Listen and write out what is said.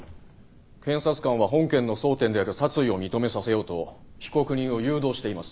検察官は本件の争点である殺意を認めさせようと被告人を誘導しています。